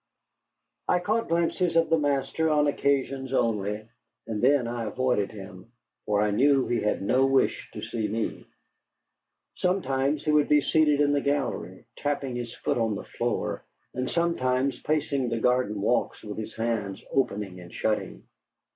I caught glimpses of the master on occasions only, and then I avoided him; for I knew he had no wish to see me. Sometimes he would be seated in the gallery, tapping his foot on the floor, and sometimes pacing the garden walks with his hands opening and shutting.